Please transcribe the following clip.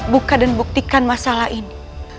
buka dan buktikan masalah ini